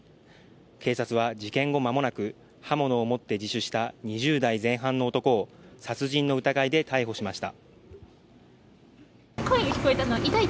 警察は事件後間もなく刃物を持って自首した２０代前半の男を、殺人の疑いで逮捕しました。